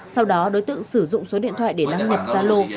sau đó đối tượng sử dụng số điện thoại để đăng nhập gia lô